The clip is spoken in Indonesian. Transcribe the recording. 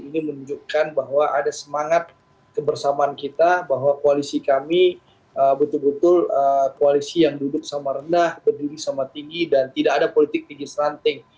ini menunjukkan bahwa ada semangat kebersamaan kita bahwa koalisi kami betul betul koalisi yang duduk sama rendah berdiri sama tinggi dan tidak ada politik tinggi seranting